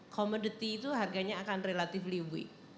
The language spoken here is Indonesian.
commodity itu harganya akan semakin tinggi